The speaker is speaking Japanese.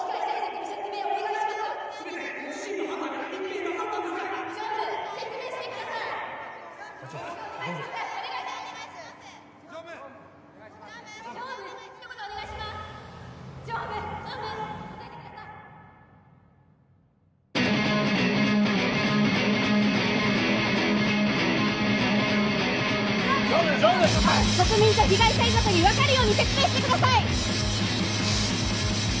国民と被害者遺族にわかるように説明してください。